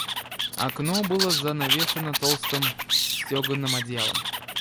Окно было занавешено толстым стёганым одеялом.